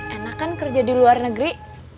enak kan kerja di luar negeri